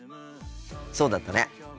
そうだったね。